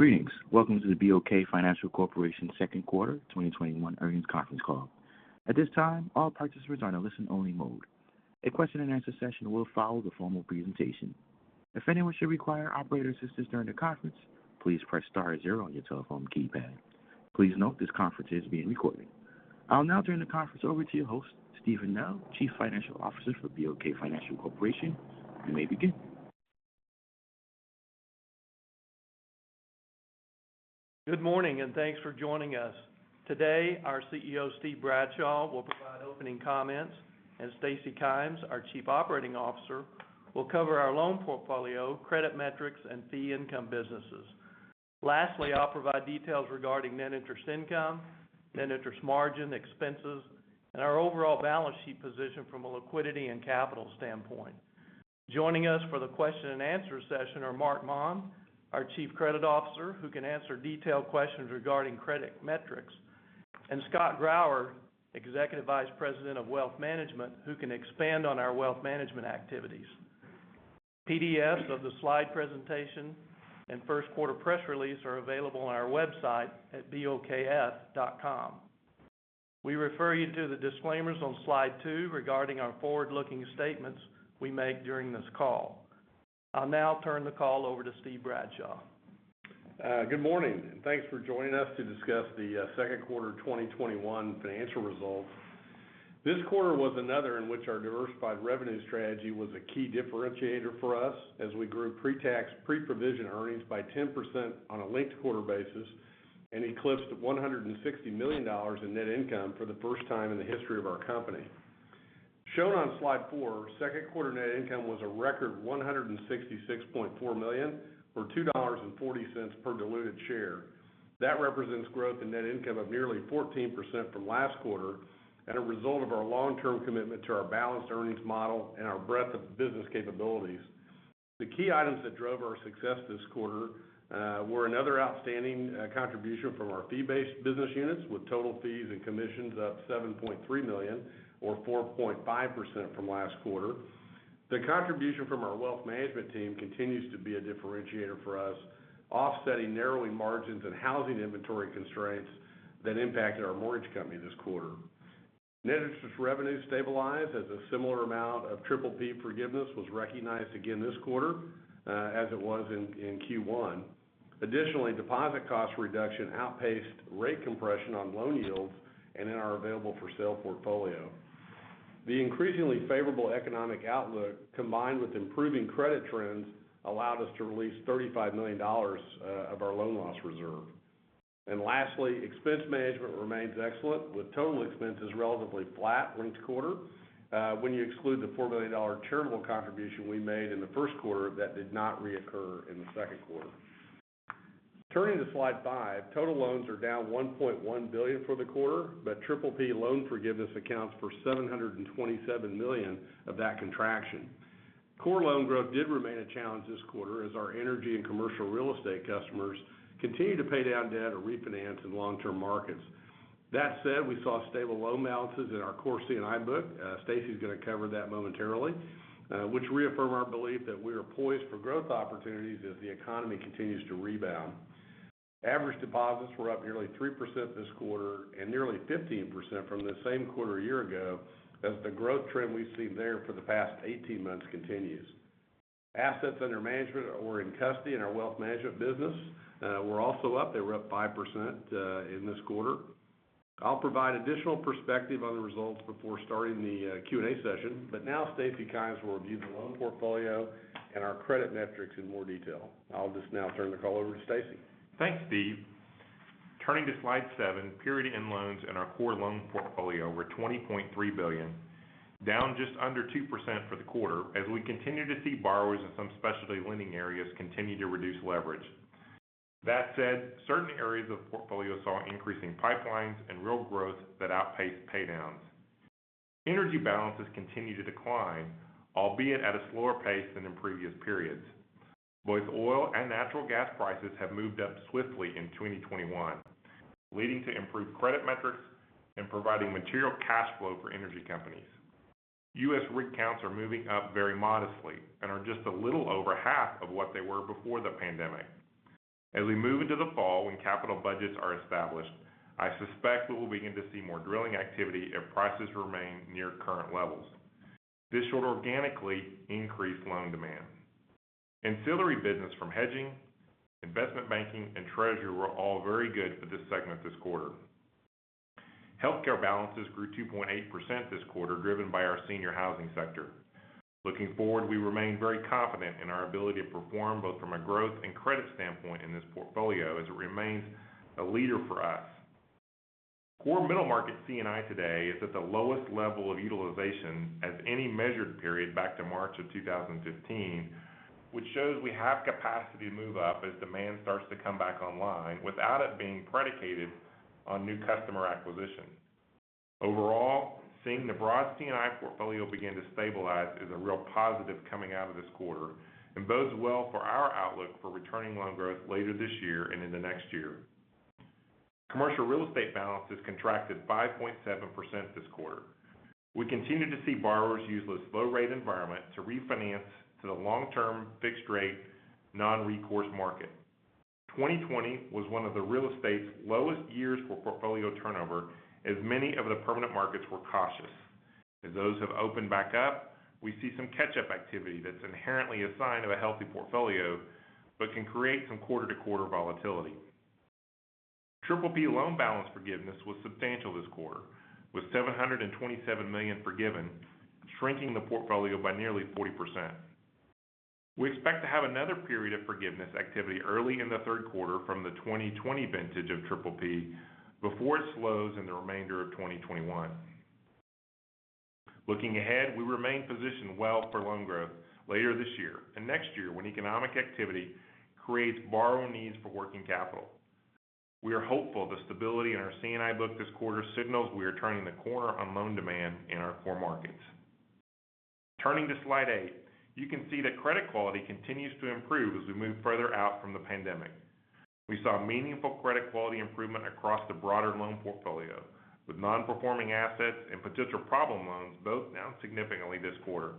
I'll now turn the conference over to your host, Steven Nell, Chief Financial Officer for BOK Financial Corporation. You may begin. Good morning, and thanks for joining us. Today, our CEO, Steve Bradshaw, will provide opening comments, and Stacy Kymes, our Chief Operating Officer, will cover our loan portfolio, credit metrics, and fee income businesses. Lastly, I'll provide details regarding net interest income, net interest margin, expenses, and our overall balance sheet position from a liquidity and capital standpoint. Joining us for the question and answer session are Marc Maun, our Chief Credit Officer, who can answer detailed questions regarding credit metrics, and Scott Grauer, Executive Vice President of Wealth Management, who can expand on our wealth management activities. PDFs of the slide presentation and first quarter press release are available on our website at bokf.com. We refer you to the disclaimers on slide two regarding our forward-looking statements we make during this call. I'll now turn the call over to Steve Bradshaw. Good morning. Thanks for joining us to discuss the second quarter 2021 financial results. This quarter was another in which our diversified revenue strategy was a key differentiator for us as we grew pre-tax, pre-provision earnings by 10% on a linked quarter basis, and eclipsed $160 million in net income for the first time in the history of our company. Shown on slide four, second quarter net income was a record $166.4 million, or $2.40 per diluted share. That represents growth in net income of nearly 14% from last quarter and a result of our long-term commitment to our balanced earnings model and our breadth of business capabilities. The key items that drove our success this quarter were another outstanding contribution from our fee-based business units with total fees and commissions up $7.3 million, or 4.5% from last quarter. The contribution from our wealth management team continues to be a differentiator for us, offsetting narrowing margins and housing inventory constraints that impacted our mortgage company this quarter. Net interest revenue stabilized as a similar amount of PPP forgiveness was recognized again this quarter as it was in Q1. Additionally, deposit cost reduction outpaced rate compression on loan yields and in our available for sale portfolio. The increasingly favorable economic outlook, combined with improving credit trends, allowed us to release $35 million of our loan loss reserve. Lastly, expense management remains excellent with total expenses relatively flat linked quarter when you exclude the $4 million charitable contribution we made in the first quarter that did not reoccur in the second quarter. Turning to slide five, total loans are down $1.1 billion for the quarter, but PPP loan forgiveness accounts for $727 million of that contraction. Core loan growth did remain a challenge this quarter as our energy and commercial real estate customers continued to pay down debt or refinance in long-term markets. That said, we saw stable loan balances in our core C&I book, Stacy's going to cover that momentarily, which reaffirm our belief that we are poised for growth opportunities as the economy continues to rebound. Average deposits were up nearly 3% this quarter and nearly 15% from the same quarter a year ago as the growth trend we've seen there for the past 18 months continues. Assets under management or in custody in our wealth management business were also up. They were up 5% in this quarter. I'll provide additional perspective on the results before starting the Q&A session. Now Stacy Kymes will review the loan portfolio and our credit metrics in more detail. I'll just now turn the call over to Stacy. Thanks, Steve. Turning to slide seven, period-end loans in our core loan portfolio were $20.3 billion, down just under 2% for the quarter as we continue to see borrowers in some specialty lending areas continue to reduce leverage. That said, certain areas of the portfolio saw increasing pipelines and real growth that outpaced paydowns. Energy balances continue to decline, albeit at a slower pace than in previous periods. Both oil and natural gas prices have moved up swiftly in 2021, leading to improved credit metrics and providing material cash flow for energy companies. U.S. rig counts are moving up very modestly and are just a little over half of what they were before the pandemic. As we move into the fall when capital budgets are established, I suspect we will begin to see more drilling activity if prices remain near current levels. This should organically increase loan demand. Ancillary business from hedging, investment banking, and treasury were all very good for this segment this quarter. healthcare balances grew 2.8% this quarter, driven by our senior housing sector. Looking forward, we remain very confident in our ability to perform both from a growth and credit standpoint in this portfolio as it remains a leader for us. Core middle market C&I today is at the lowest level of utilization as any measured period back to March of 2015, which shows we have capacity to move up as demand starts to come back online without it being predicated on new customer acquisition. Overall, seeing the broad C&I portfolio begin to stabilize is a real positive coming out of this quarter and bodes well for our outlook for returning loan growth later this year and into next year. Commercial real estate balances contracted 5.7% this quarter. We continue to see borrowers use this low rate environment to refinance to the long-term fixed rate non-recourse market. 2020 was one of the real estate's lowest years for portfolio turnover, as many of the permanent markets were cautious. As those have opened back up, we see some catch-up activity that's inherently a sign of a healthy portfolio, but can create some quarter-to-quarter volatility. PPP loan balance forgiveness was substantial this quarter, with $727 million forgiven, shrinking the portfolio by nearly 40%. We expect to have another period of forgiveness activity early in the third quarter from the 2020 vintage of PPP before it slows in the remainder of 2021. Looking ahead, we remain positioned well for loan growth later this year and next year when economic activity creates borrower needs for working capital. We are hopeful the stability in our C&I book this quarter signals we are turning the corner on loan demand in our core markets. Turning to slide eight, you can see that credit quality continues to improve as we move further out from the pandemic. We saw meaningful credit quality improvement across the broader loan portfolio, with non-performing assets and potential problem loans both down significantly this quarter.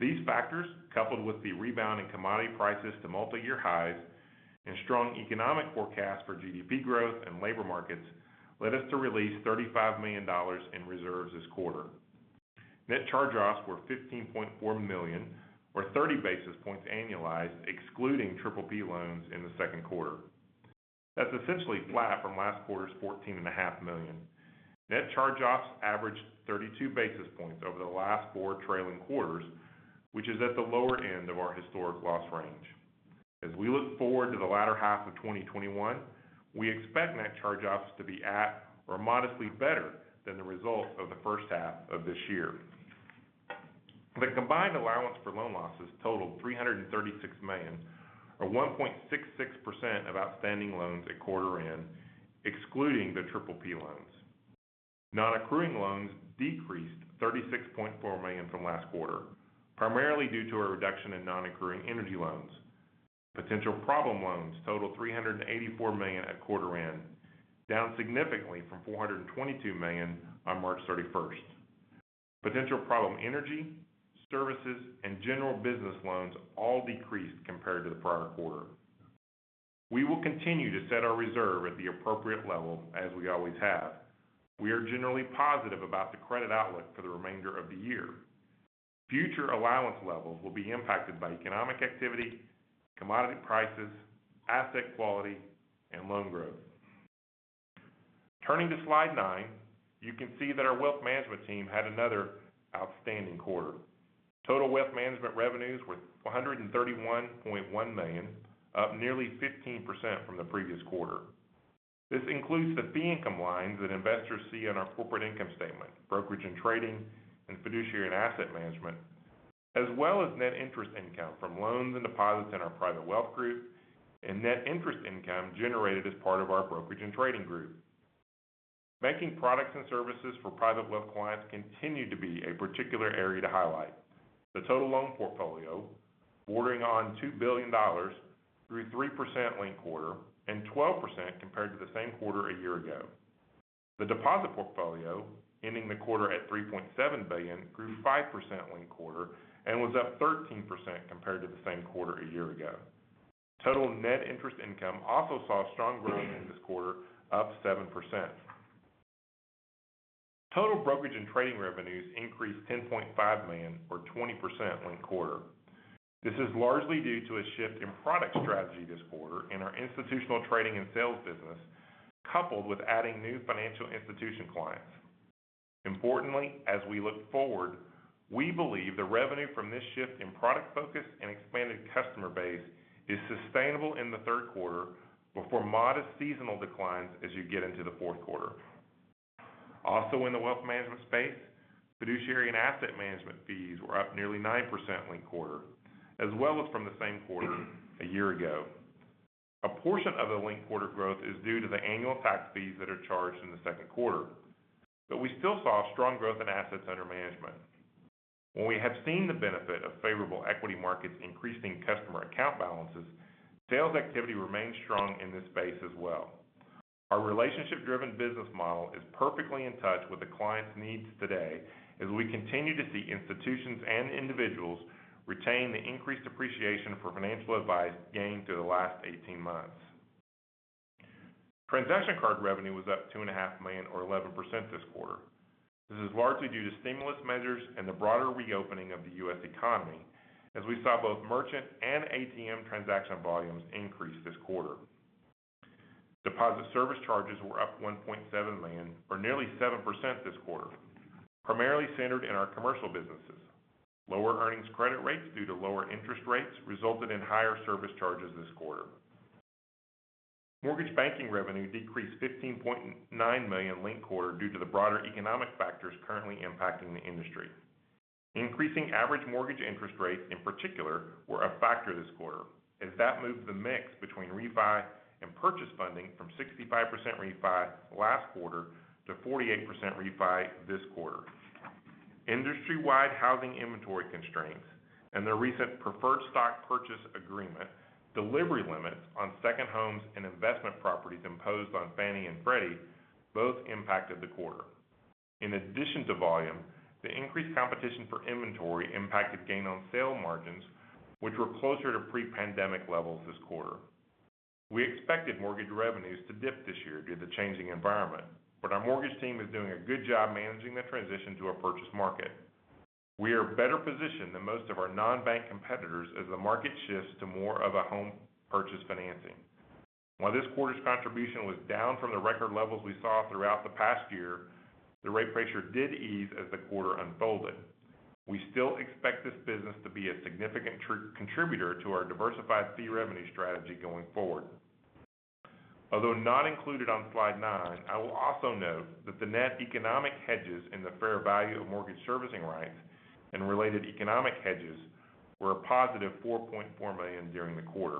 These factors, coupled with the rebound in commodity prices to multi-year highs and strong economic forecasts for GDP growth and labor markets, led us to release $35 million in reserves this quarter. Net charge-offs were $15.4 million, or 30 basis points annualized, excluding PPP loans in the 2Q. That's essentially flat from last quarter's $14.5 million. Net charge-offs averaged 32 basis points over the last four trailing quarters, which is at the lower end of our historic loss range. As we look forward to the latter half of 2021, we expect net charge-offs to be at or modestly better than the results of the first half of this year. The combined allowance for loan losses totaled $336 million, or 1.66% of outstanding loans at quarter end, excluding the PPP loans. Non-accruing loans decreased $36.4 million from last quarter, primarily due to a reduction in non-accruing energy loans. Potential problem loans totaled $384 million at quarter end, down significantly from $422 million on March 31st. Potential problem energy, services, and general business loans all decreased compared to the prior quarter. We will continue to set our reserve at the appropriate level as we always have. We are generally positive about the credit outlook for the remainder of the year. Future allowance levels will be impacted by economic activity, commodity prices, asset quality, and loan growth. Turning to slide nine, you can see that our wealth management team had another outstanding quarter. Total wealth management revenues were $131.1 million, up nearly 15% from the previous quarter. This includes the fee income lines that investors see on our corporate income statement, brokerage and trading, and fiduciary and asset management, as well as net interest income from loans and deposits in our private wealth group, and net interest income generated as part of our brokerage and trading group. Banking products and services for private wealth clients continue to be a particular area to highlight. The total loan portfolio, bordering on $2 billion, grew 3% linked-quarter and 12% compared to the same quarter a year ago. The deposit portfolio, ending the quarter at $3.7 billion, grew 5% linked-quarter and was up 13% compared to the same quarter a year ago. Total net interest income also saw strong growth in this quarter, up 7%. Total brokerage and trading revenues increased $10.5 million, or 20%, linked-quarter. This is largely due to a shift in product strategy this quarter in our institutional trading and sales business, coupled with adding new financial institution clients. Importantly, as we look forward, we believe the revenue from this shift in product focus and expanded customer base is sustainable in the third quarter before modest seasonal declines as you get into the fourth quarter. In the wealth management space, fiduciary and asset management fees were up nearly 9% linked-quarter, as well as from the same quarter a year ago. A portion of the linked-quarter growth is due to the annual tax fees that are charged in the second quarter, we still saw strong growth in assets under management. While we have seen the benefit of favorable equity markets increasing customer account balances, sales activity remains strong in this space as well. Our relationship-driven business model is perfectly in touch with the client's needs today as we continue to see institutions and individuals retain the increased appreciation for financial advice gained through the last 18 months. Transaction card revenue was up $2.5 Million or 11% this quarter. This is largely due to stimulus measures and the broader reopening of the U.S. economy, as we saw both merchant and ATM transaction volumes increase this quarter. Deposit service charges were up $1.7 million or nearly 7% this quarter, primarily centered in our commercial businesses. Lower earnings credit rates due to lower interest rates resulted in higher service charges this quarter. Mortgage banking revenue decreased $15.9 million linked quarter due to the broader economic factors currently impacting the industry. Increasing average mortgage interest rates in particular were a factor this quarter, as that moved the mix between refi and purchase funding from 65% refi last quarter to 48% refi this quarter. Industry-wide housing inventory constraints and the recent Preferred Stock Purchase Agreement, delivery limits on second homes and investment properties imposed on Fannie and Freddie both impacted the quarter. In addition to volume, the increased competition for inventory impacted gain on sale margins, which were closer to pre-pandemic levels this quarter. We expected mortgage revenues to dip this year due to the changing environment, but our mortgage team is doing a good job managing the transition to a purchase market. We are better positioned than most of our non-bank competitors as the market shifts to more of a home purchase financing. While this quarter's contribution was down from the record levels we saw throughout the past year, the rate pressure did ease as the quarter unfolded. We still expect this business to be a significant contributor to our diversified fee revenue strategy going forward. Although not included on slide nine, I will also note that the net economic hedges in the fair value of mortgage servicing rights and related economic hedges were a positive $4.4 million during the quarter.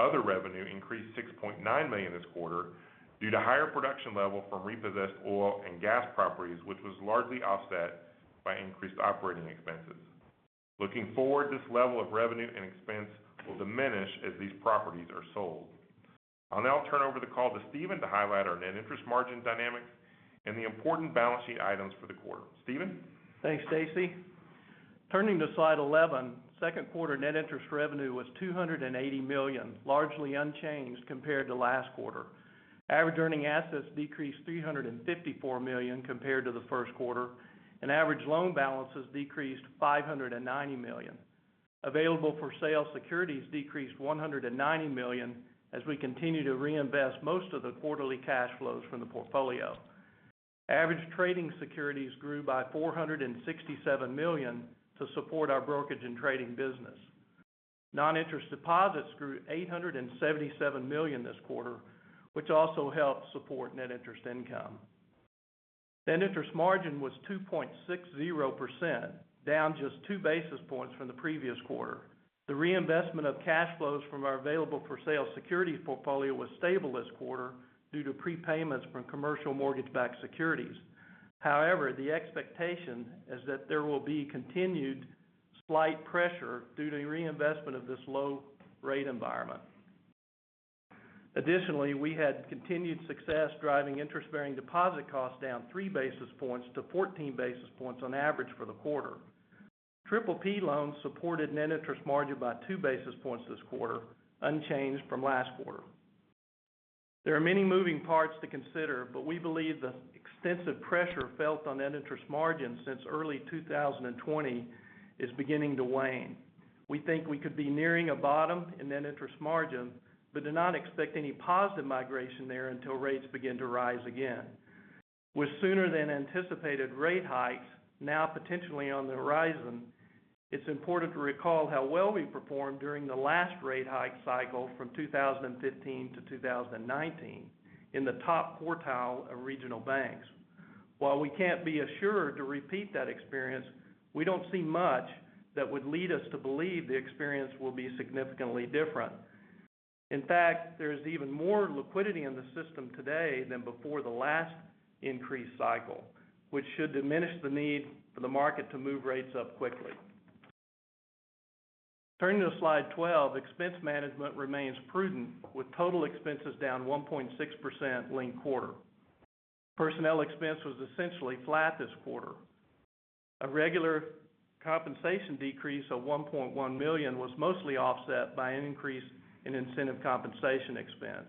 Other revenue increased to $6.9 million this quarter due to higher production level from repossessed oil and gas properties, which was largely offset by increased operating expenses. Looking forward, this level of revenue and expense will diminish as these properties are sold. I'll now turn over the call to Steven to highlight our net interest margin dynamics and the important balance sheet items for the quarter. Steven? Thanks, Stacy. Turning to slide 11, second quarter net interest revenue was $280 million, largely unchanged compared to last quarter. Average earning assets decreased $354 million compared to the first quarter, and average loan balances decreased $590 million. Available for sale securities decreased $190 million as we continue to reinvest most of the quarterly cash flows from the portfolio. Average trading securities grew by $467 million to support our brokerage and trading business. Non-interest deposits grew to $877 million this quarter, which also helped support net interest income. Net interest margin was 2.60%, down just 2 basis points from the previous quarter. The reinvestment of cash flows from our Available for sale securities portfolio was stable this quarter due to prepayments from commercial mortgage-backed securities. The expectation is that there will be continued slight pressure due to reinvestment of this low rate environment. Additionally, we had continued success driving interest-bearing deposit costs down 3 basis points to 14 basis points on average for the quarter. Triple P loans supported net interest margin by 2 basis points this quarter, unchanged from last quarter. There are many moving parts to consider, but we believe the extensive pressure felt on net interest margin since early 2020 is beginning to wane. We think we could be nearing a bottom in net interest margin, but do not expect any positive migration there until rates begin to rise again. With sooner than anticipated rate hikes now potentially on the horizon, it's important to recall how well we performed during the last rate hike cycle from 2015-2019 in the top quartile of regional banks. While we can't be assured to repeat that experience, we don't see much that would lead us to believe the experience will be significantly different. In fact, there's even more liquidity in the system today than before the last increase cycle, which should diminish the need for the market to move rates up quickly. Turning to slide 12, expense management remains prudent with total expenses down 1.6% linked quarter. Personnel expense was essentially flat this quarter. A regular compensation decrease of $1.1 million was mostly offset by an increase in incentive compensation expense.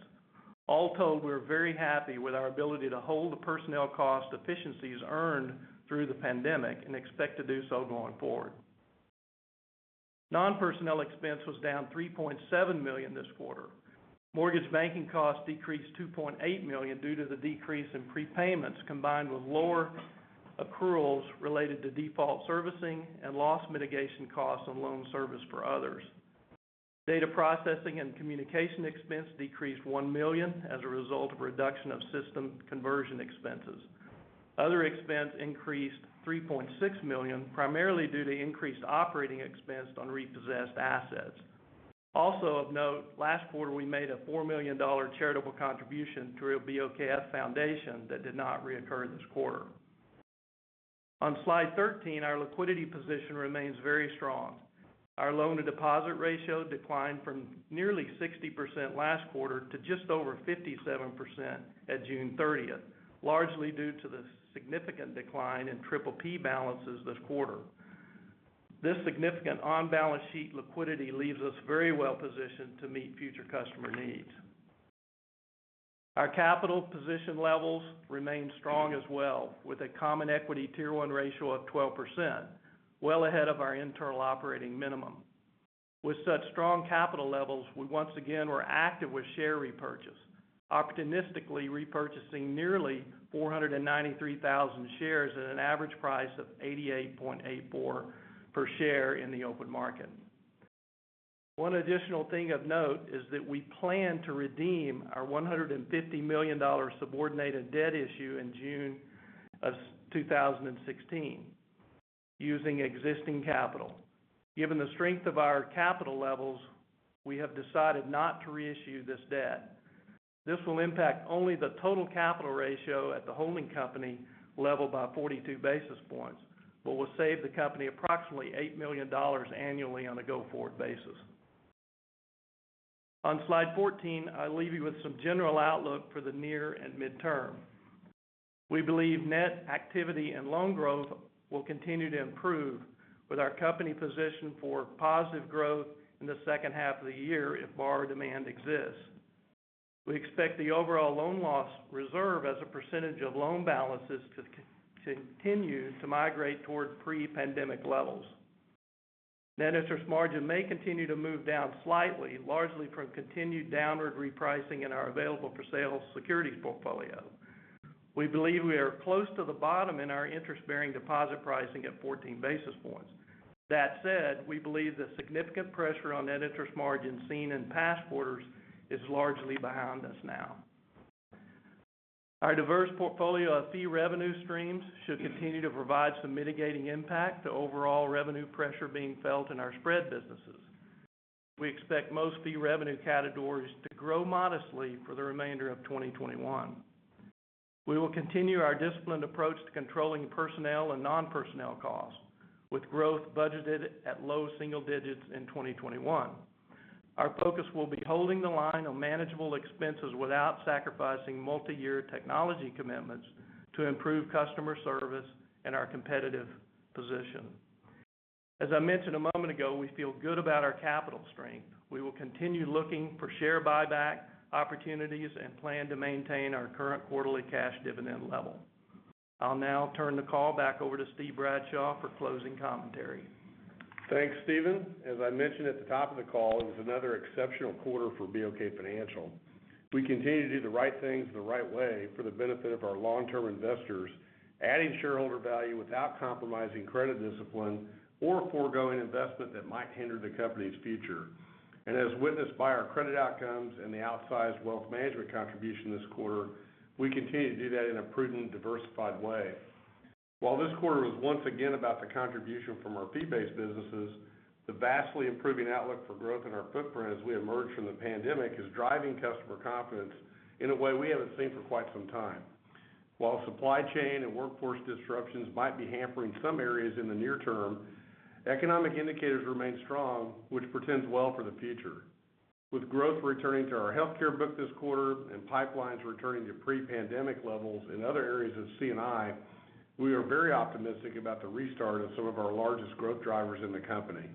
All told, we're very happy with our ability to hold the personnel cost efficiencies earned through the pandemic and expect to do so going forward. Non-personnel expense was down $3.7 million this quarter. Mortgage banking costs decreased $2.8 million due to the decrease in prepayments, combined with lower accruals related to default servicing and loss mitigation costs on loan service for others. Data processing and communication expense decreased $1 million as a result of reduction of system conversion expenses. Other expense increased $3.6 million, primarily due to increased operating expense on repossessed assets. Also of note, last quarter, we made a $4 million charitable contribution through our BOKF Foundation that did not reoccur this quarter. On slide 13, our liquidity position remains very strong. Our loan-to-deposit ratio declined from nearly 60% last quarter to just over 57% at June 30th, largely due to the significant decline in PPP balances this quarter. This significant on-balance sheet liquidity leaves us very well positioned to meet future customer needs. Our capital position levels remain strong as well, with a common equity Tier 1 ratio of 12%, well ahead of our internal operating minimum. With such strong capital levels, we once again were active with share repurchase, opportunistically repurchasing nearly 493,000 shares at an average price of $88.84 per share in the open market. One additional thing of note is that we plan to redeem our $150 million subordinated debt issue in June of 2016, using existing capital. Given the strength of our capital levels, we have decided not to reissue this debt. This will impact only the total capital ratio at the holding company level by 42 basis points, but will save the company approximately $8 million annually on a go-forward basis. On slide 14, I leave you with some general outlook for the near and midterm. We believe net activity and loan growth will continue to improve, with our company positioned for positive growth in the second half of the year if borrower demand exists. We expect the overall loan loss reserve as a percentage of loan balances to continue to migrate towards pre-pandemic levels. Net interest margin may continue to move down slightly, largely from continued downward repricing in our available for sale securities portfolio. We believe we are close to the bottom in our interest-bearing deposit pricing at 14 basis points. That said, we believe the significant pressure on net interest margin seen in past quarters is largely behind us now. Our diverse portfolio of fee revenue streams should continue to provide some mitigating impact to overall revenue pressure being felt in our spread businesses. We expect most fee revenue categories to grow modestly for the remainder of 2021. We will continue our disciplined approach to controlling personnel and non-personnel costs, with growth budgeted at low single digits in 2021. Our focus will be holding the line on manageable expenses without sacrificing multi-year technology commitments to improve customer service and our competitive position. As I mentioned a moment ago, we feel good about our capital strength. We will continue looking for share buyback opportunities and plan to maintain our current quarterly cash dividend level. I'll now turn the call back over to Steve Bradshaw for closing commentary. Thanks, Steven. As I mentioned at the top of the call, it was another exceptional quarter for BOK Financial. We continue to do the right things the right way for the benefit of our long-term investors, adding shareholder value without compromising credit discipline or foregoing investment that might hinder the company's future. As witnessed by our credit outcomes and the outsized wealth management contribution this quarter, we continue to do that in a prudent, diversified way. While this quarter was once again about the contribution from our fee-based businesses, the vastly improving outlook for growth in our footprint as we emerge from the pandemic is driving customer confidence in a way we haven't seen for quite some time. While supply chain and workforce disruptions might be hampering some areas in the near term, economic indicators remain strong, which portends well for the future. With growth returning to our healthcare book this quarter and pipelines returning to pre-pandemic levels in other areas of C&I, we are very optimistic about the restart of some of our largest growth drivers in the company.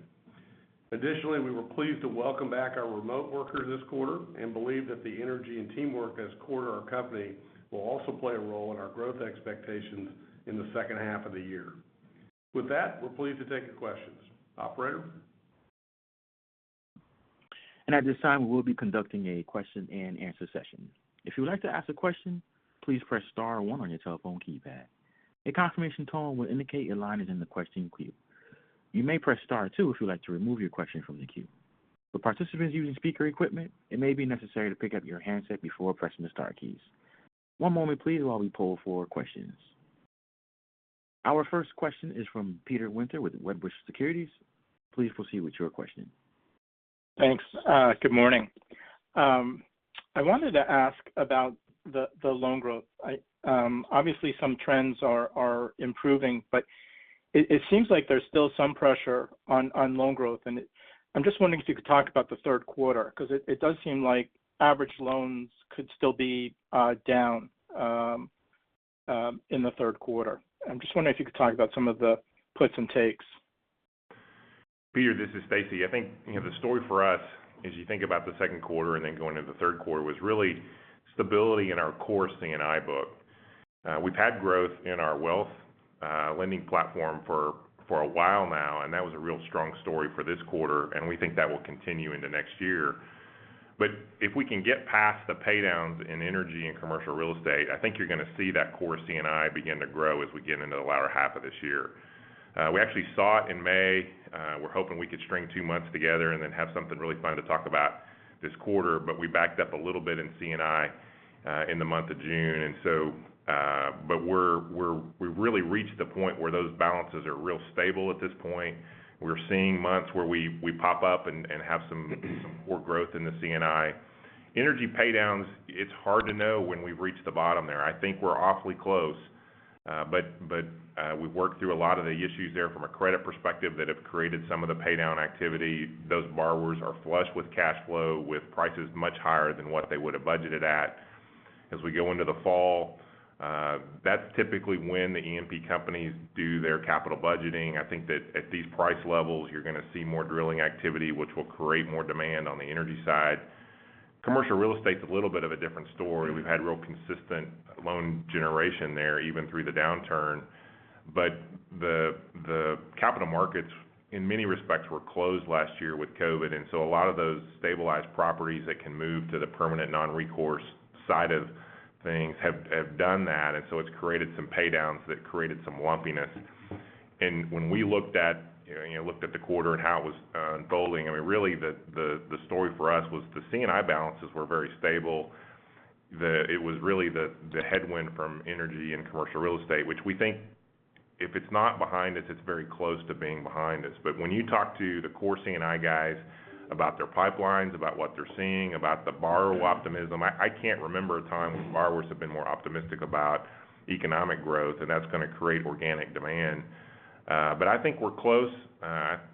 Additionally, we were pleased to welcome back our remote workers this quarter, and believe that the energy and teamwork that is core to our company will also play a role in our growth expectations in the second half of the year. With that, we're pleased to take your questions. Operator? At this time, we will be conducting a question and answer session. If you would like to ask a question, please press star one on your telephone keypad. A confirmation tone will indicate your line is in the question queue. You may press star two if you'd like to remove your question from the queue. For participants using speaker equipment, it may be necessary to pick up your handset before pressing the star keys. One moment please, while we poll for questions. Our first question is from Peter Winter with Wedbush Securities. Please proceed with your question. Thanks. Good morning. I wanted to ask about the loan growth. Obviously, some trends are improving, but it seems like there's still some pressure on loan growth. I'm just wondering if you could talk about the third quarter, because it does seem like average loans could still be down in the third quarter. I'm just wondering if you could talk about some of the puts and takes. Peter, this is Stacy. I think the story for us, as you think about the second quarter and then going into the third quarter, was really stability in our core C&I book. We've had growth in our wealth lending platform for a while now, and that was a real strong story for this quarter, and we think that will continue into next year. If we can get past the paydowns in energy and commercial real estate, I think you're going to see that core C&I begin to grow as we get into the latter half of this year. We actually saw it in May. We're hoping we could string two months together and then have something really fun to talk about this quarter, but we backed up a little bit in C&I in the month of June. We've really reached the point where those balances are real stable at this point. We're seeing months where we pop up and have some core growth in the C&I. Energy paydowns, it's hard to know when we've reached the bottom there. I think we're awfully close. We've worked through a lot of the issues there from a credit perspective that have created some of the paydown activity. Those borrowers are flush with cash flow, with prices much higher than what they would have budgeted at. As we go into the fall, that's typically when the E&P companies do their capital budgeting. I think that at these price levels, you're going to see more drilling activity, which will create more demand on the energy side. Commercial real estate's a little bit of a different story. We've had real consistent loan generation there, even through the downturn. The capital markets, in many respects, were closed last year with COVID. A lot of those stabilized properties that can move to the permanent non-recourse side of things have done that. It's created some paydowns that created some lumpiness. When we looked at the quarter and how it was unfolding, really the story for us was the C&I balances were very stable. It was really the headwind from energy and commercial real estate, which we think if it's not behind us, it's very close to being behind us. When you talk to the core C&I guys about their pipelines, about what they're seeing, about the borrower optimism, I can't remember a time when borrowers have been more optimistic about economic growth, and that's going to create organic demand. I think we're close.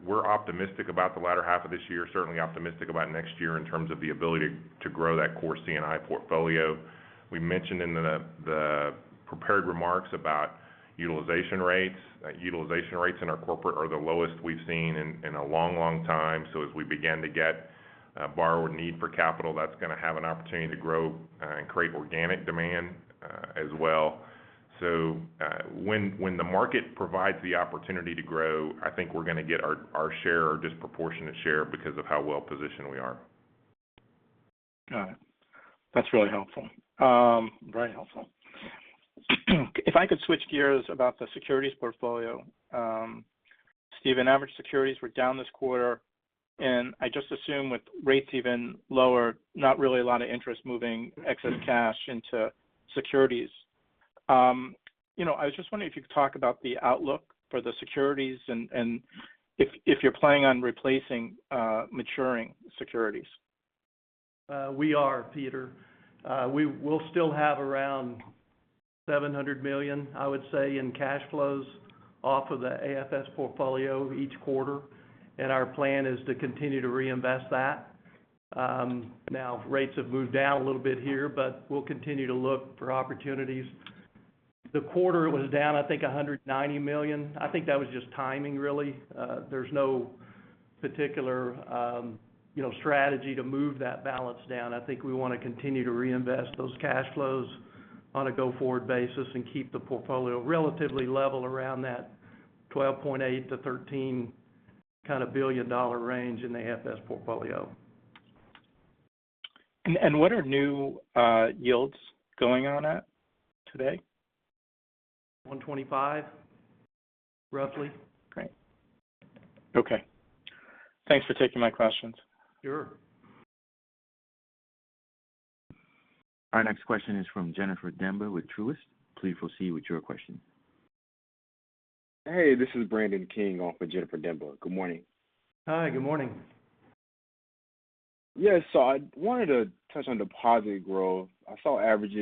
We're optimistic about the latter half of this year, certainly optimistic about next year in terms of the ability to grow that core C&I portfolio. We mentioned in the prepared remarks about utilization rates. Utilization rates in our corporate are the lowest we've seen in a long, long time. As we begin to get borrower need for capital, that's going to have an opportunity to grow and create organic demand as well. When the market provides the opportunity to grow, I think we're going to get our share or disproportionate share because of how well-positioned we are. Got it. That's really helpful. Very helpful. If I could switch gears about the securities portfolio. Steven, average securities were down this quarter. I just assume with rates even lower, not really a lot of interest moving excess cash into securities. I was just wondering if you could talk about the outlook for the securities and if you're planning on replacing maturing securities. We are, Peter. We'll still have around $700 million, I would say, in cash flows off of the AFS portfolio each quarter. Our plan is to continue to reinvest that. Rates have moved down a little bit here. We'll continue to look for opportunities. The quarter was down, I think, $190 million. I think that was just timing, really. There's no particular strategy to move that balance down. I think we want to continue to reinvest those cash flows on a go-forward basis and keep the portfolio relatively level around that $12.8 billion-$13 billion range in the AFS portfolio. What are new yields going on at today? $125, roughly. Great. Okay. Thanks for taking my questions. Sure. Our next question is from Jennifer Demba with Truist. Please proceed with your question. Hey, this is Brandon King off of Jennifer Demba. Good morning. Hi, good morning. Yes. I wanted to touch on deposit growth. I saw average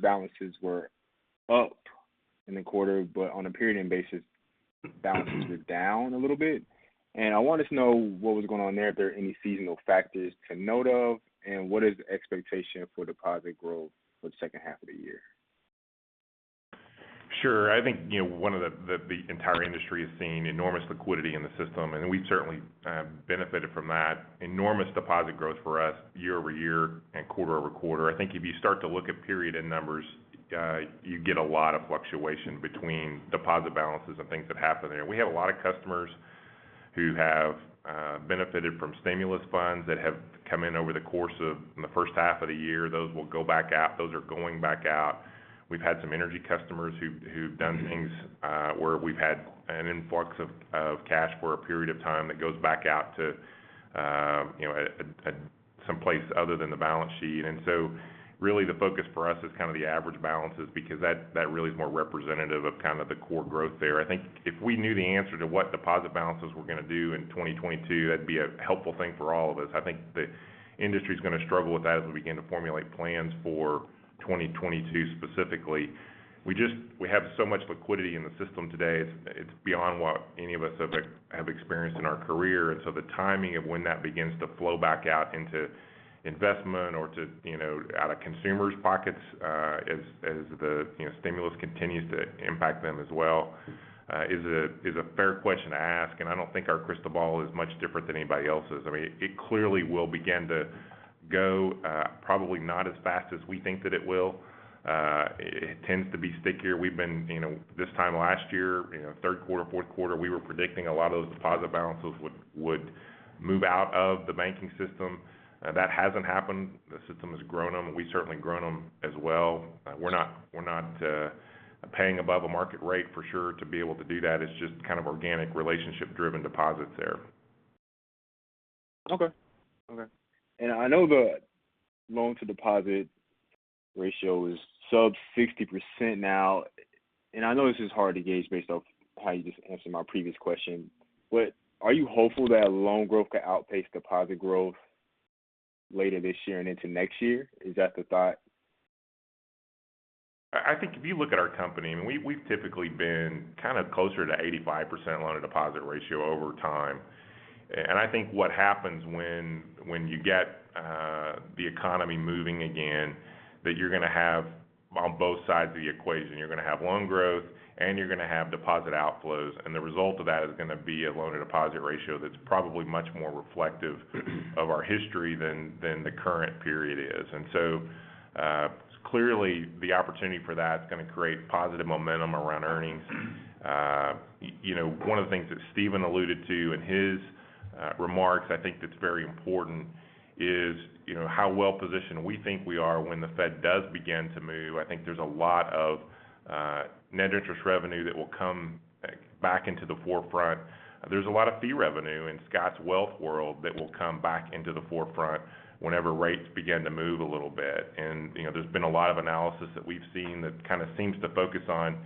balances were up in the quarter, but on a period end basis balances are down a little bit, and I wanted to know what was going on there. If there are any seasonal factors to note of, and what is the expectation for deposit growth for the second half of the year? Sure. I think one of the entire industry has seen enormous liquidity in the system, and we certainly benefited from that enormous deposit growth for us year-over-year and quarter-over-quarter. I think if you start to look at period end numbers, you get a lot of fluctuation between deposit balances and things that happen there. We have a lot of customers who have benefited from stimulus funds that have come in over the course of the first half of the year. Those are going back out. We've had some energy customers who've done things where we've had an influx of cash for a period of time that goes back out to someplace other than the balance sheet. Really the focus for us is the average balances because that really is more representative of the core growth there. I think if we knew the answer to what deposit balances were going to do in 2022, that'd be a helpful thing for all of us. I think the industry's going to struggle with that as we begin to formulate plans for 2022 specifically. We have so much liquidity in the system today. It's beyond what any of us have experienced in our career. The timing of when that begins to flow back out into investment or out of consumers' pockets as the stimulus continues to impact them as well is a fair question to ask, and I don't think our crystal ball is much different than anybody else's. It clearly will begin to go probably not as fast as we think that it will. It tends to be stickier. This time last year, third quarter, fourth quarter, we were predicting a lot of those deposit balances would move out of the banking system. That hasn't happened. The system has grown them. We've certainly grown them as well. We're not paying above a market rate for sure to be able to do that. It's just kind of organic relationship driven deposits there. Okay. I know the loan to deposit ratio is sub 60% now. I know this is hard to gauge based off how you just answered my previous question. Are you hopeful that loan growth could outpace deposit growth later this year and into next year? Is that the thought? I think if you look at our company, we've typically been kind of closer to 85% loan to deposit ratio over time. I think what happens when you get the economy moving again, that you're going to have on both sides of the equation, you're going to have loan growth and you're going to have deposit outflows. The result of that is going to be a loan to deposit ratio that's probably much more reflective of our history than the current period is. Clearly the opportunity for that is going to create positive momentum around earnings. One of the things that Steven Nell alluded to in his remarks I think that's very important is how well-positioned we think we are when the Fed does begin to move. I think there's a lot of net interest revenue that will come back into the forefront. There's a lot of fee revenue in Scott's wealth world that will come back into the forefront whenever rates begin to move a little bit. There's been a lot of analysis that we've seen that kind of seems to focus on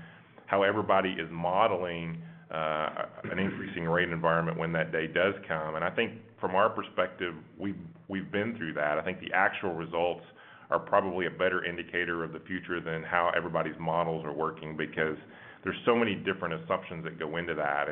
how everybody is modeling an increasing rate environment when that day does come. I think from our perspective, we've been through that. I think the actual results are probably a better indicator of the future than how everybody's models are working, because there's so many different assumptions that go into that.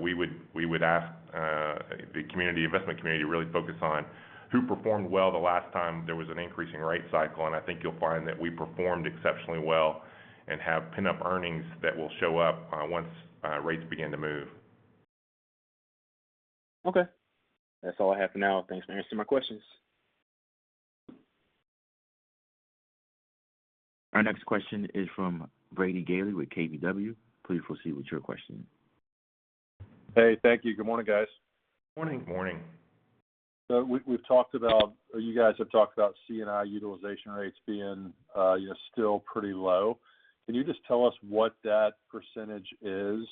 We would ask the investment community to really focus on who performed well the last time there was an increasing rate cycle, and I think you'll find that we performed exceptionally well and have pent-up earnings that will show up once rates begin to move. That's all I have for now. Thanks for answering my questions. Our next question is from Brady Gailey with KBW. Please proceed with your question. Hey, thank you. Good morning, guys. Morning. Morning. We've talked about, or you guys have talked about C&I utilization rates being still pretty low. Can you just tell us what that percentage is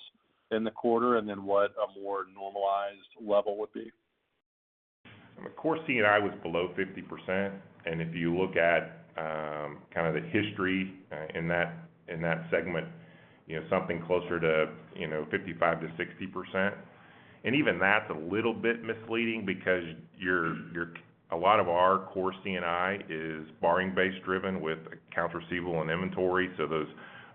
in the quarter, and then what a more normalized level would be? Core C&I was below 50%. If you look at kind of the history in that segment, something closer to 55%-60%. Even that's a little bit misleading because a lot of our core C&I is borrowing-base driven with accounts receivable and inventory. Those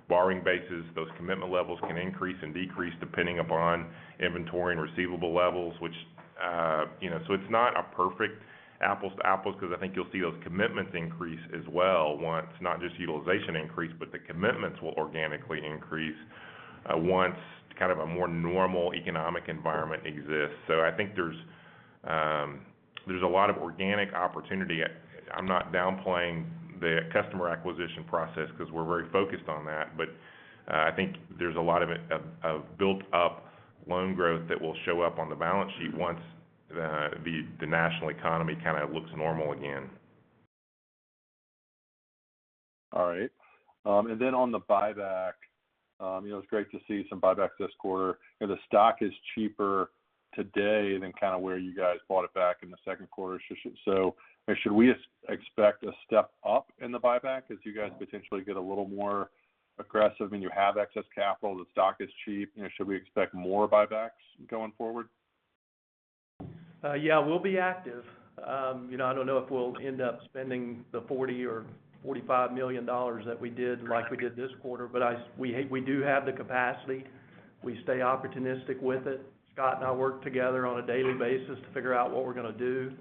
borrowing bases, those commitment levels can increase and decrease depending upon inventory and receivable levels. It's not a perfect apples to apples because I think you'll see those commitments increase as well once, not just utilization increase, but the commitments will organically increase once kind of a more normal economic environment exists. I think there's a lot of organic opportunity. I'm not downplaying the customer acquisition process because we're very focused on that, but I think there's a lot of built-up loan growth that will show up on the balance sheet once the national economy kind of looks normal again. All right. On the buyback, it was great to see some buybacks this quarter. The stock is cheaper today than kind of where you guys bought it back in the second quarter. Should we expect a step up in the buyback as you guys potentially get a little more aggressive and you have excess capital, the stock is cheap, should we expect more buybacks going forward? Yeah, we'll be active. I don't know if we'll end up spending the $40 or $45 million that we did, like we did this quarter, but we do have the capacity. We stay opportunistic with it. Scott and I work together on a daily basis to figure out what we're going to do,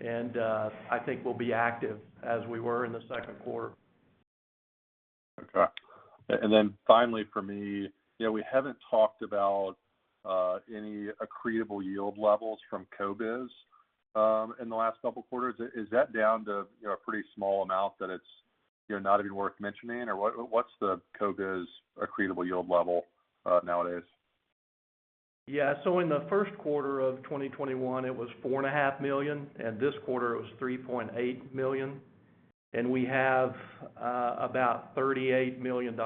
and I think we'll be active as we were in the second quarter. Okay. Finally for me, we haven't talked about any accretable yield levels from CoBiz in the last couple of quarters. Is that down to a pretty small amount that it's not even worth mentioning? What's the CoBiz accretable yield level nowadays? Yeah. In the first quarter of 2021, it was $4.5 million, and this quarter it was $3.8 million. We have about $38 million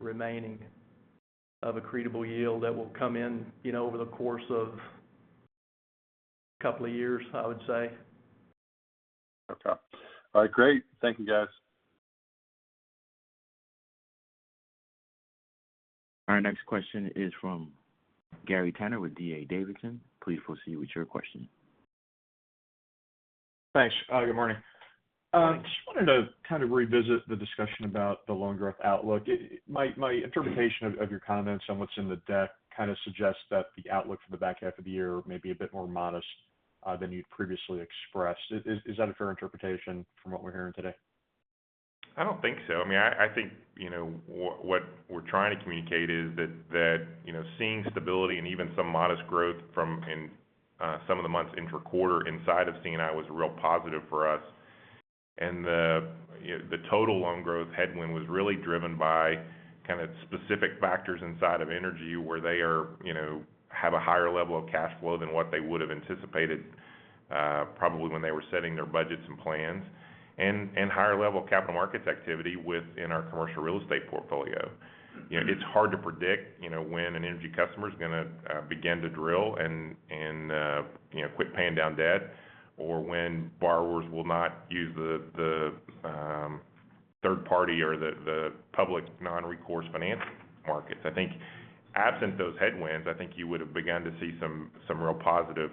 remaining of accretable yield that will come in over the course of a couple of years, I would say. Okay. All right, great. Thank you, guys. Our next question is from Gary Tenner with D.A. Davidson. Please proceed with your question. Thanks. Good morning. Morning. Just wanted to kind of revisit the discussion about the loan growth outlook. My interpretation of your comments on what's in the deck kind of suggests that the outlook for the back half of the year may be a bit more modest than you'd previously expressed. Is that a fair interpretation from what we're hearing today? I don't think so. I think what we're trying to communicate is that seeing stability and even some modest growth from some of the months intra-quarter inside of C&I was a real positive for us. The total loan growth headwind was really driven by kind of specific factors inside of energy where they have a higher level of cash flow than what they would've anticipated probably when they were setting their budgets and plans, and higher level capital markets activity within our commercial real estate portfolio. It's hard to predict when an energy customer's going to begin to drill and quit paying down debt, or when borrowers will not use the third party or the public non-recourse financing markets. I think absent those headwinds, I think you would've begun to see some real positive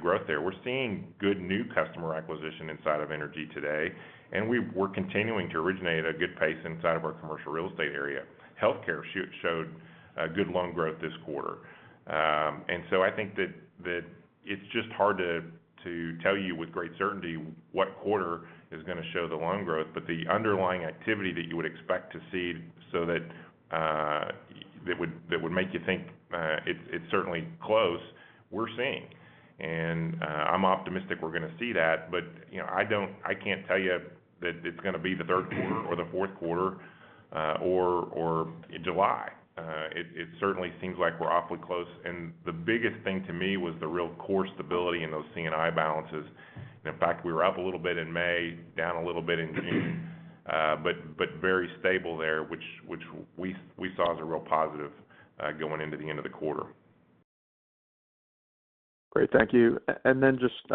growth there. We're seeing good new customer acquisition inside of energy today, and we're continuing to originate at a good pace inside of our commercial real estate area. Healthcare showed good loan growth this quarter. I think that it's just hard to tell you with great certainty what quarter is going to show the loan growth. The underlying activity that you would expect to see so that would make you think it's certainly close, we're seeing. I'm optimistic we're going to see that. I can't tell you that it's going to be the third quarter or the fourth quarter, or in July. It certainly seems like we're awfully close. The biggest thing to me was the real core stability in those C&I balances. In fact, we were up a little bit in May, down a little bit in June. Very stable there, which we saw as a real positive going into the end of the quarter. Great. Thank you. Just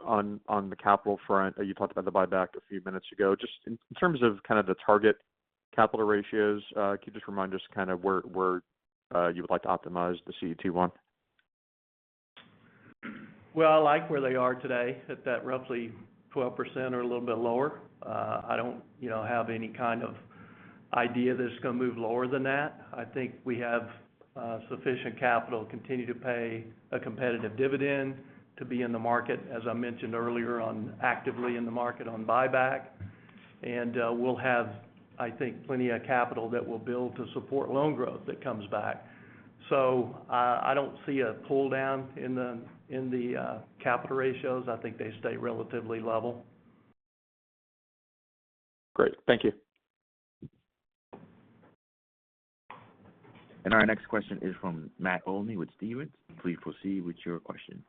on the capital front, you talked about the buyback a few minutes ago. Just in terms of the target capital ratios, can you just remind us where you would like to optimize the CET1? I like where they are today, at that roughly 12% or a little bit lower. I don't have any kind of idea that it's going to move lower than that. I think we have sufficient capital to continue to pay a competitive dividend to be in the market, as I mentioned earlier, actively in the market on buyback. We'll have, I think, plenty of capital that we'll build to support loan growth that comes back. I don't see a pull-down in the capital ratios. I think they stay relatively level. Great. Thank you. Our next question is from Matt Olney with Stephens. Please proceed with your question.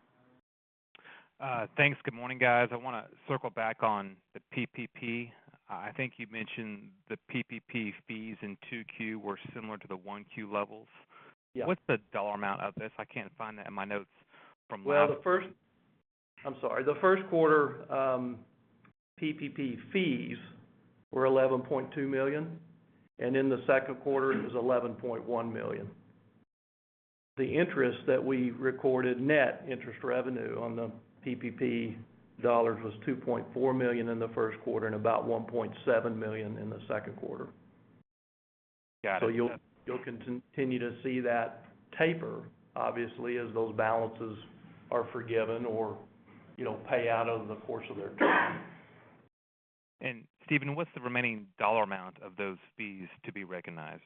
Thanks. Good morning, guys. I want to circle back on the PPP. I think you mentioned the PPP fees in Q2 were similar to the Q1 levels. Yeah. What's the dollar amount of this? I can't find that in my notes from last-. Well, the first quarter PPP fees were $11.2 million, and in the second quarter, it was $11.1 million. The interest that we recorded, net interest revenue on the PPP dollars was $2.4 million in the first quarter and about $1.7 million in the second quarter Got it. You'll continue to see that taper, obviously, as those balances are forgiven or pay out over the course of their term. Steven, what's the remaining dollar amount of those fees to be recognized?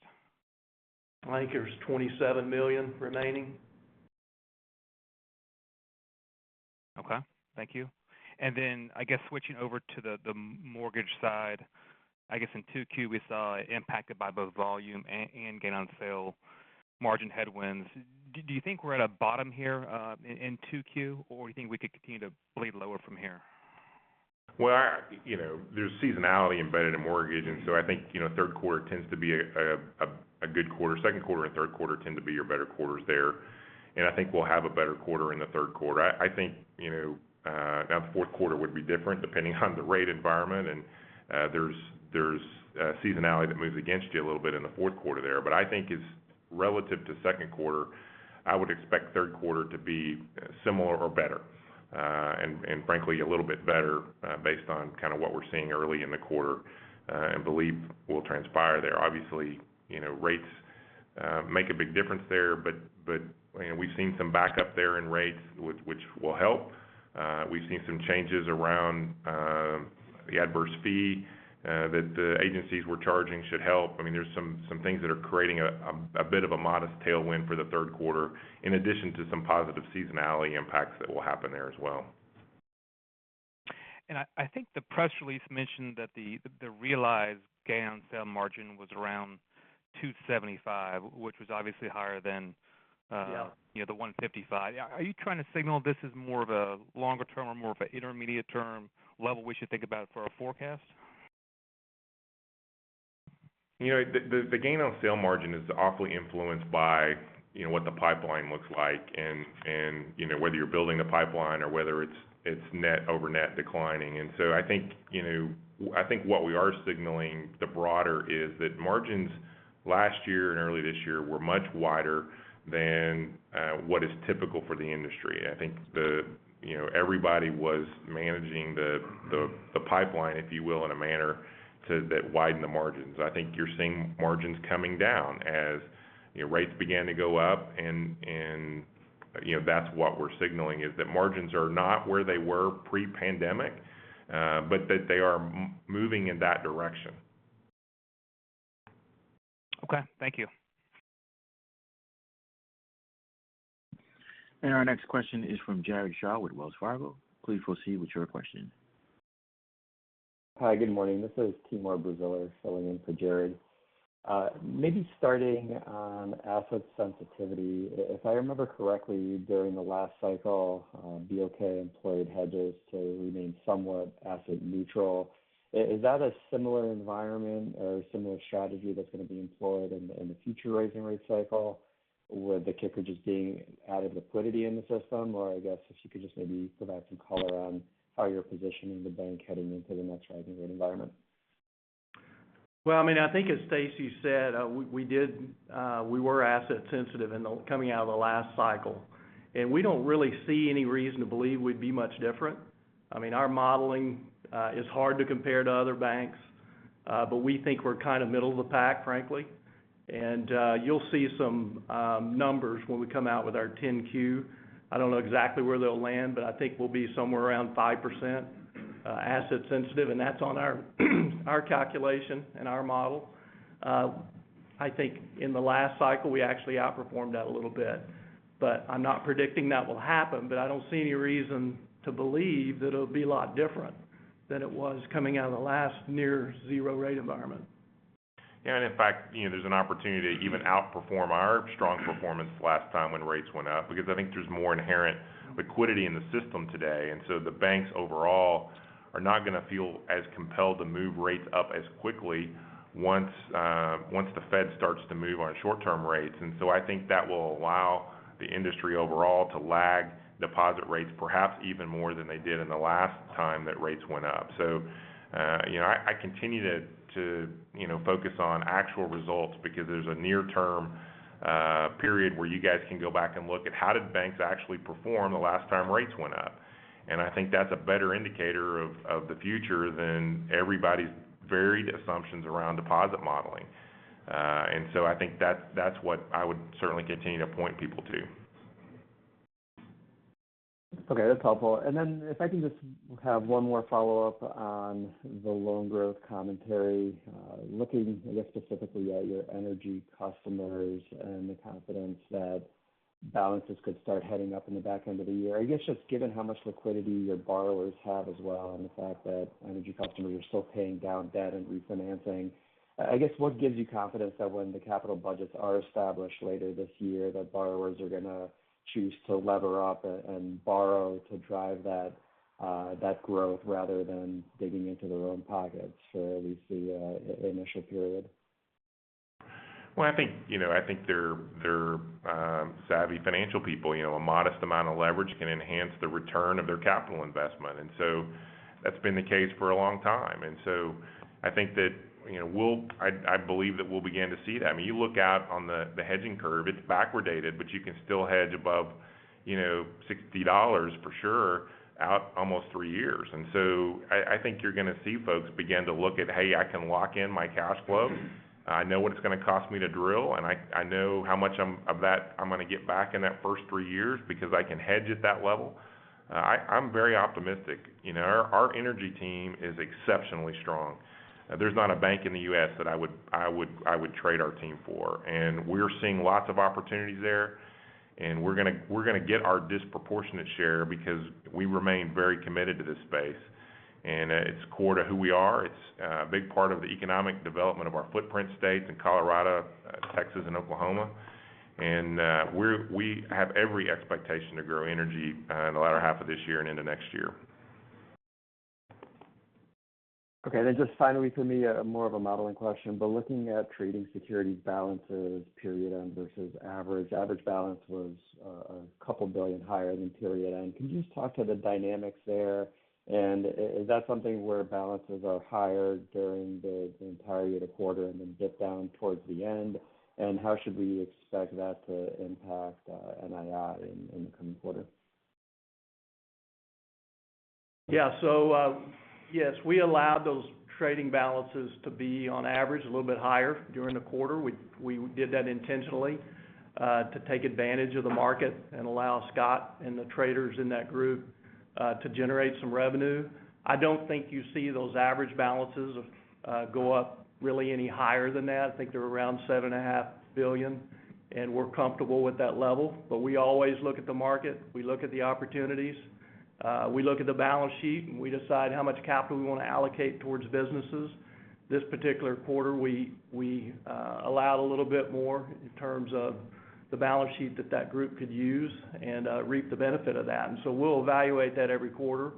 I think there's $27 million remaining. Okay. Thank you. I guess switching over to the mortgage side, I guess in Q2, we saw it impacted by both volume and gain on sale margin headwinds. Do you think we're at a bottom here in Q2, or you think we could continue to bleed lower from here? Well, there's seasonality embedded in mortgage, and so I think third quarter tends to be a good quarter. Second quarter and third quarter tend to be your better quarters there, and I think we'll have a better quarter in the third quarter. I think now the fourth quarter would be different depending on the rate environment, and there's a seasonality that moves against you a little bit in the fourth quarter there. I think it's relative to second quarter, I would expect third quarter to be similar or better. Frankly, a little bit better based on what we're seeing early in the quarter, and believe will transpire there. Obviously, rates make a big difference there, but we've seen some backup there in rates which will help. We've seen some changes around the adverse fee that the agencies were charging should help. There's some things that are creating a bit of a modest tailwind for the third quarter, in addition to some positive seasonality impacts that will happen there as well. I think the press release mentioned that the realized gain on sale margin was around 275, which was obviously higher than. Yeah the 155. Are you trying to signal this is more of a longer term or more of an intermediate term level we should think about for our forecast? The gain on sale margin is awfully influenced by what the pipeline looks like and whether you're building the pipeline or whether it's net over net declining. I think what we are signaling the broader is that margins last year and early this year were much wider than what is typical for the industry. I think everybody was managing the pipeline, if you will, in a manner that widened the margins. I think you're seeing margins coming down as rates began to go up, and that's what we're signaling is that margins are not where they were pre-pandemic, but that they are moving in that direction. Okay. Thank you. Our next question is from Jared Shaw with Wells Fargo. Please proceed with your question. Hi, good morning. This is Timur Braziler filling in for Jared Shaw. Maybe starting on asset sensitivity. If I remember correctly, during the last cycle, BOK employed hedges to remain somewhat asset neutral. Is that a similar environment or a similar strategy that's going to be employed in the future raising rate cycle with the kicker just being added liquidity in the system? I guess if you could just maybe provide some color on how you're positioning the bank heading into the next rising rate environment. Well, I think as Stacy said, we were asset sensitive coming out of the last cycle. We don't really see any reason to believe we'd be much different. Our modeling is hard to compare to other banks, but we think we're kind of middle of the pack, frankly. You'll see some numbers when we come out with our 10-Q. I don't know exactly where they'll land, but I think we'll be somewhere around 5% asset sensitive, and that's on our calculation and our model. I think in the last cycle, we actually outperformed that a little bit. I'm not predicting that will happen, but I don't see any reason to believe that it'll be a lot different than it was coming out of the last near zero rate environment. In fact, there's an opportunity to even outperform our strong performance last time when rates went up, because I think there's more inherent liquidity in the system today. The banks overall are not going to feel as compelled to move rates up as quickly once the Fed starts to move on short-term rates. I think that will allow the industry overall to lag deposit rates, perhaps even more than they did in the last time that rates went up. I continue to focus on actual results because there's a near-term period where you guys can go back and look at how did banks actually perform the last time rates went up. I think that's a better indicator of the future than everybody's varied assumptions around deposit modeling. I think that's what I would certainly continue to point people to. Okay, that's helpful. If I can just have one more follow-up on the loan growth commentary, looking, I guess, specifically at your energy customers and the confidence that balances could start heading up in the back end of the year. I guess just given how much liquidity your borrowers have as well, and the fact that energy customers are still paying down debt and refinancing, I guess what gives you confidence that when the capital budgets are established later this year that borrowers are going to choose to lever up and borrow to drive that growth rather than digging into their own pockets for at least the initial period? Well, I think they're savvy financial people. A modest amount of leverage can enhance the return of their capital investment, that's been the case for a long time. I believe that we'll begin to see that. I mean, you look out on the hedging curve, it's backwarddated, but you can still hedge above $60 for sure out almost three years. I think you're going to see folks begin to look at, "Hey, I can lock in my cash flow." I know what it's going to cost me to drill, and I know how much of that I'm going to get back in that first three years because I can hedge at that level. I'm very optimistic. Our energy team is exceptionally strong. There's not a bank in the U.S. that I would trade our team for, and we're seeing lots of opportunities there, and we're going to get our disproportionate share because we remain very committed to this space. It's core to who we are. It's a big part of the economic development of our footprint states in Colorado, Texas, and Oklahoma. We have every expectation to grow energy in the latter half of this year and into next year. Okay, just finally for me, more of a modeling question, looking at trading security balances, period end versus average. Average balance was a couple billion higher than period end. Can you just talk to the dynamics there? Is that something where balances are higher during the entirety of the quarter and then dip down towards the end? How should we expect that to impact NII in the coming quarter? Yes, we allowed those trading balances to be on average a little bit higher during the quarter. We did that intentionally, to take advantage of the market and allow Scott and the traders in that group to generate some revenue. I don't think you see those average balances go up really any higher than that. I think they're around $7.5 billion, and we're comfortable with that level. We always look at the market. We look at the opportunities. We look at the balance sheet, and we decide how much capital we want to allocate towards businesses. This particular quarter, we allowed a little bit more in terms of the balance sheet that that group could use and reap the benefit of that. We'll evaluate that every quarter,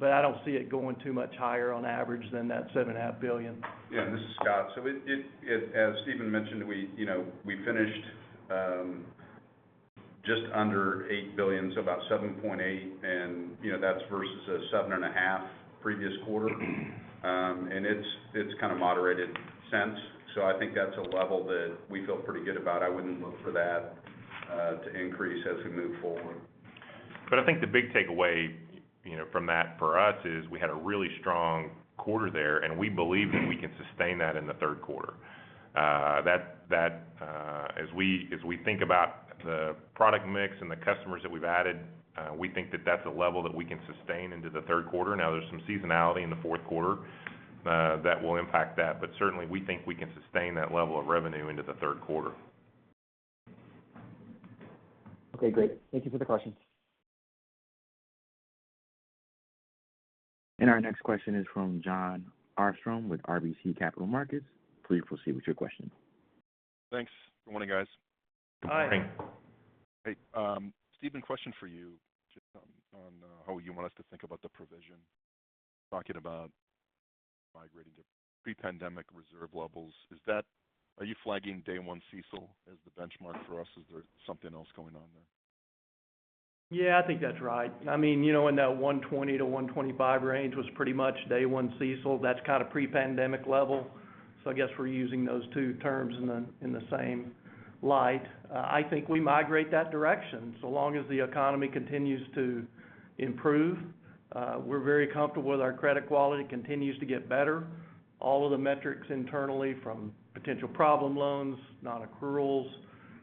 but I don't see it going too much higher on average than that seven and a half billion. Yeah, this is Scott. As Steven Nell mentioned, we finished just under $8 billion, so about $7.8 billion, and that's versus a $7.5 billion Previous quarter. It's kind of moderated since. I think that's a level that we feel pretty good about. I wouldn't look for that to increase as we move forward. I think the big takeaway from that for us is we had a really strong quarter there, and we believe that we can sustain that in the third quarter. As we think about the product mix and the customers that we've added, we think that that's a level that we can sustain into the third quarter. Now, there's some seasonality in the fourth quarter that will impact that. Certainly, we think we can sustain that level of revenue into the third quarter. Okay, great. Thank you for the question. Our next question is from Jon Arfstrom with RBC Capital Markets. Please proceed with your question. Thanks. Good morning, guys. Hi. Morning. Hey, Steven Nell, question for you just on how you want us to think about the provision. Talking about migrating to pre-pandemic reserve levels. Are you flagging day one CECL as the benchmark for us? Is there something else going on there? Yeah, I think that's right. I mean, in that 120%-125% range was pretty much day one CECL. That's kind of pre-pandemic level. I guess we're using those two terms in the same light. I think we migrate that direction so long as the economy continues to improve. We're very comfortable that our credit quality continues to get better. All of the metrics internally from potential problem loans, non-accruals,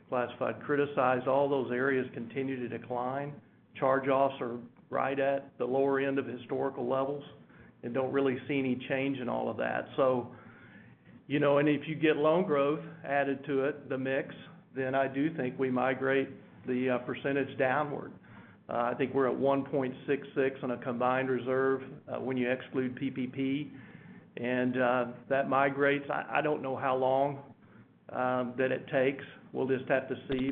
classified criticized, all those areas continue to decline. Charge-offs are right at the lower end of historical levels and don't really see any change in all of that. If you get loan growth added to it, the mix, I do think we migrate the percentage downward. I think we're at 1.66% on a combined reserve when you exclude PPP, that migrates. I don't know how long that it takes. We'll just have to see.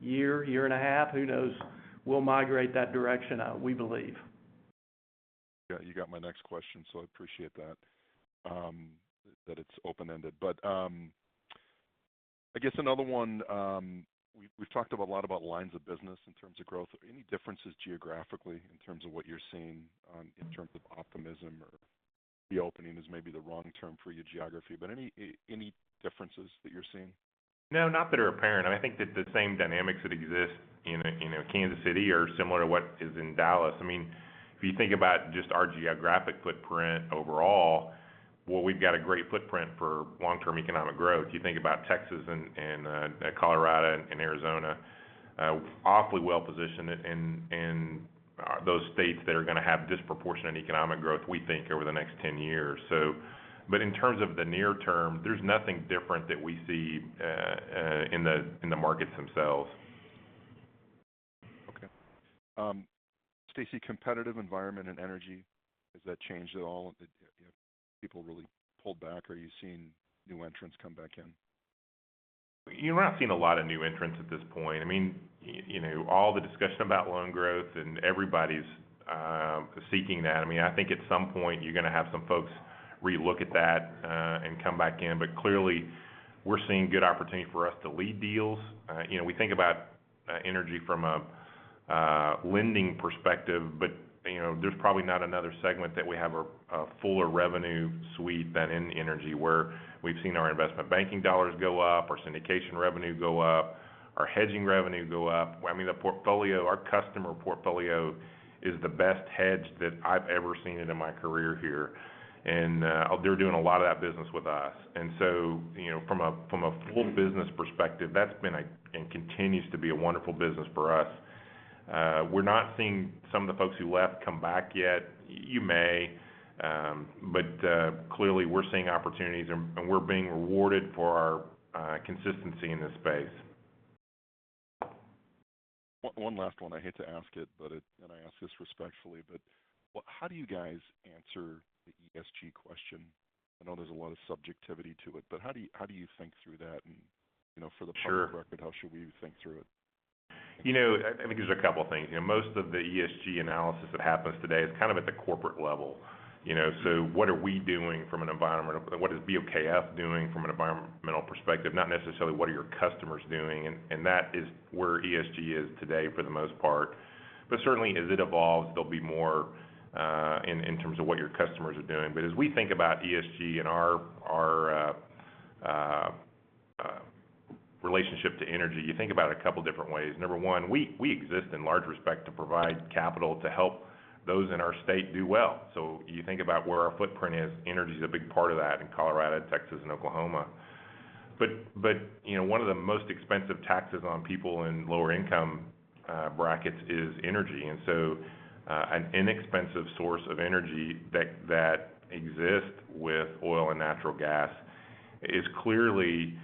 Year and a half, who knows? We'll migrate that direction, we believe. Yeah, you got my next question, so I appreciate that it's open-ended. I guess another one, we've talked a lot about lines of business in terms of growth. Any differences geographically in terms of what you're seeing in terms of optimism or the opening is maybe the wrong term for your geography, but any differences that you're seeing? No, not that are apparent. I think that the same dynamics that exist in Kansas City are similar to what is in Dallas. If you think about just our geographic footprint overall, well, we've got a great footprint for long-term economic growth. You think about Texas and Colorado and Arizona, awfully well-positioned in those states that are going to have disproportionate economic growth, we think, over the next 10 years. In terms of the near term, there's nothing different that we see in the markets themselves. Okay. Stacy, competitive environment and energy, has that changed at all? Have people really pulled back, or are you seeing new entrants come back in? We're not seeing a lot of new entrants at this point. All the discussion about loan growth and everybody's seeking that. I think at some point, you're going to have some folks re-look at that and come back in. Clearly, we're seeing good opportunity for us to lead deals. We think about energy from a lending perspective, but there's probably not another segment that we have a fuller revenue suite than in energy, where we've seen our investment banking dollars go up, our syndication revenue go up, our hedging revenue go up. The portfolio, our customer portfolio is the best hedge that I've ever seen it in my career here, and they're doing a lot of that business with us. From a full business perspective, that's been and continues to be a wonderful business for us. We're not seeing some of the folks who left come back yet. You may, but clearly, we're seeing opportunities, and we're being rewarded for our consistency in this space. One last one. I hate to ask it, and I ask this respectfully, but how do you guys answer the ESG question? I know there's a lot of subjectivity to it, but how do you think through that. Sure for the public record, how should we think through it? I think there's a couple of things. Most of the ESG analysis that happens today is kind of at the corporate level. What is BOKF doing from an environmental perspective, not necessarily what are your customers doing? That is where ESG is today, for the most part. Certainly, as it evolves, there'll be more in terms of what your customers are doing. As we think about ESG and our relationship to energy, you think about it a couple of different ways. Number one, we exist in large respect to provide capital to help those in our state do well. You think about where our footprint is, energy's a big part of that in Colorado, Texas, and Oklahoma. One of the most expensive taxes on people in lower income brackets is energy. An inexpensive source of energy that exists with oil and natural gas is clearly a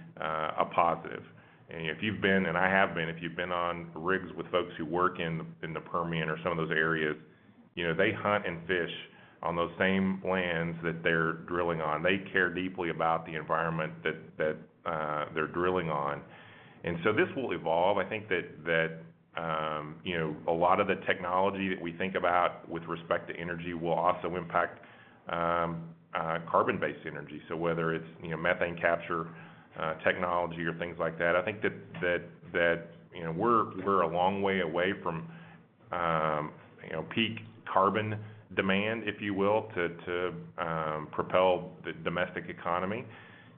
positive. If you've been, and I have been, on rigs with folks who work in the Permian or some of those areas, they hunt and fish on those same lands that they're drilling on. They care deeply about the environment that they're drilling on. This will evolve. I think that a lot of the technology that we think about with respect to energy will also impact carbon-based energy. Whether it's methane capture technology or things like that, I think that we're a long way away from peak carbon demand, if you will, to propel the domestic economy.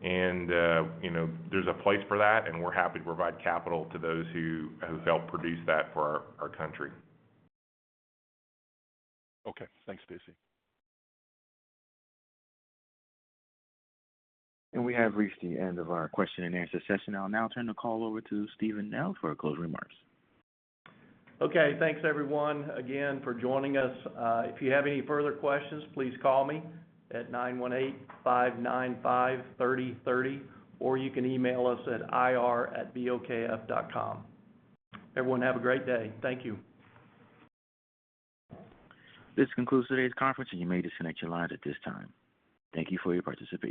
There's a place for that, and we're happy to provide capital to those who help produce that for our country. Okay. Thanks, Stacy. We have reached the end of our question and answer session. I'll now turn the call over to Steven Nell for closing remarks. Okay. Thanks everyone again for joining us. If you have any further questions, please call me at 918-595-3030 or you can email us at ir@bokf.com. Everyone, have a great day. Thank you. This concludes today's conference, and you may disconnect your lines at this time. Thank you for your participation.